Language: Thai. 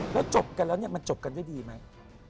แล้วจบกันแล้วเนี่ยมันจบกันด้วยดีไหม